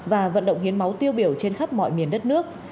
và vận động hiến máu tiêu biểu trên khắp mọi miền đất nước